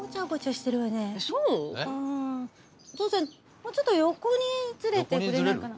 もうちょっと横にずれてくれないかな。